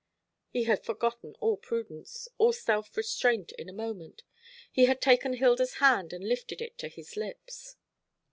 He had forgotten all prudence, all self restraint, in a moment. He had taken Hilda's hand and lifted it to his lips.